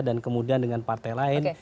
dan kemudian dengan partai lain